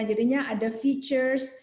jadinya ada features